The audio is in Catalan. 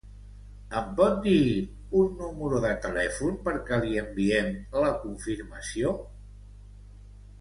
Em pot dir un número de telèfon perquè li enviem la confirmació?